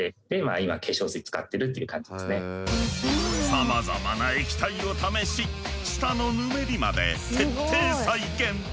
さまざまな液体を試し舌のぬめりまで徹底再現。